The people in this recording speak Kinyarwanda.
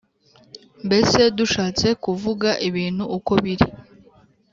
Mbese dushatse kuvuga ibintu uko biri